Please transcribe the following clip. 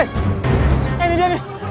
eh ini dia nih